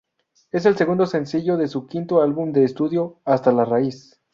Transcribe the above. Es el segundo sencillo de su quinto álbum de estudio, "Hasta la raíz".